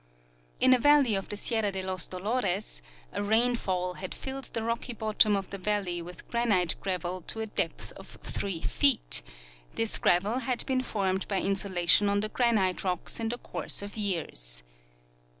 In a valley of the Sierra de los Dolores a rainfall had filled the rocky bottom of the valley with granite gravel to a depth of 3 feet ; this gravel had been formed by insolation on the granite rocks in the course of years.